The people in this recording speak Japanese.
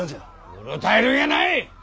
うろたえるんやない！